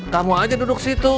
kamu aja duduk situ